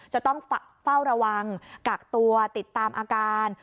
จะต้องเฝ้าระวังกักตัวติดตามอาการ